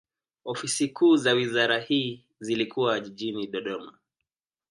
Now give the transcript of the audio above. Ofisi kuu za wizara hii zilikuwa jijini Dodoma.